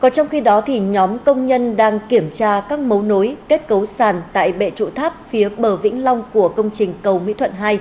trong khi đó nhóm công nhân đang kiểm tra các mấu nối kết cấu sàn tại bệ trụ tháp phía bờ vĩnh long của công trình cầu mỹ thuận hai